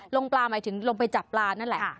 ลงปลาหมายถึงลงไปจับปลานั่นแหละ